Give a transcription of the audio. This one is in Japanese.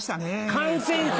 感染者！